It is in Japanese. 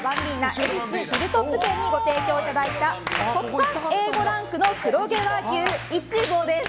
恵比寿ヒルトップ店にご提供いただいた国産Ａ５ランクの黒毛和牛イチボです。